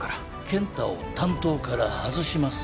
健太を担当から外します。